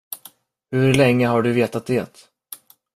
Hur länge har du vetat det?